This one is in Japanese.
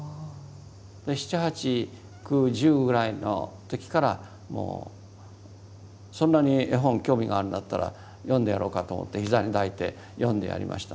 ７８９１０ぐらいの時からもうそんなに絵本興味があるんだったら読んでやろうかと思って膝に抱いて読んでやりました。